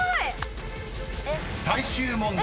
［最終問題］